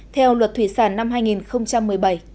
theo luật thủy sản năm hai nghìn một mươi bảy